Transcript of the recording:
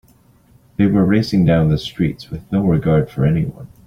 They were racing down the streets with no regard for anyone.